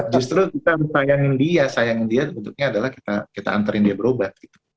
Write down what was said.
nah justru kita sayangin dia sayangin dia bentuknya adalah kita anterin dia berubah